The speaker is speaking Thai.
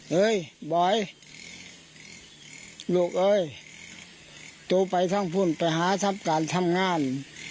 เอ้ยบอยลูกเอ้ยโตไปทั้งพุ่นไปหาทัพการทำงาน